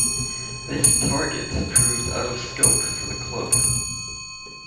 This target proved out of scope for the club.